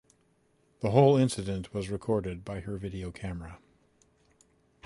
The whole incident was recorded by her video camera.